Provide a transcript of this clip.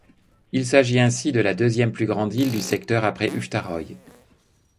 Il s'agit ainsi de la deuxième plus grande île du secteur après Huftarøy.